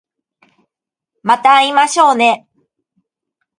また会いましょうね